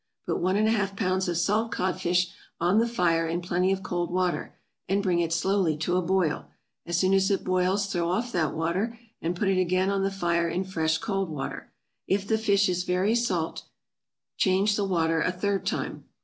Put one and a half pounds of salt codfish on the fire in plenty of cold water, and bring it slowly to a boil; as soon as it boils throw off that water, and put it again on the fire in fresh cold water; if the fish is very salt change the water a third time.